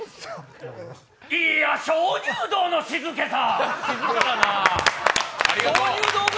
いや、鍾乳洞の静けさ。